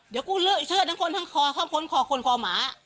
เดี๋ยวกูเลอะเชิดทั้งคนทั้งคอเข้าค้นคอคนคอหมา